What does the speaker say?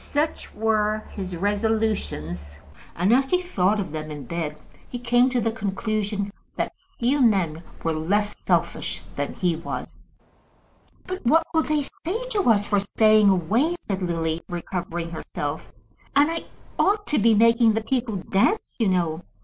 Such were his resolutions, and, as he thought of them in bed, he came to the conclusion that few men were less selfish than he was. "But what will they say to us for staying away?" said Lily, recovering herself. "And I ought to be making the people dance, you know.